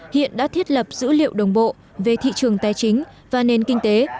hiện đã thiết lập dữ liệu đồng bộ về thị trường tài chính và nền kinh tế